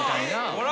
ほら！